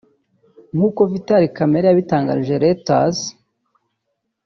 nk’uko Vital Kamerhe yabitangarije Reuters